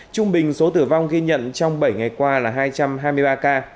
trung bình số tử vong ghi nhận trong bảy ngày qua là hai trăm hai mươi ba ca